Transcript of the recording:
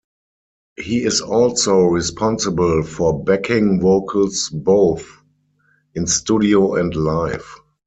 He is also responsible for backing vocals both in studio and live.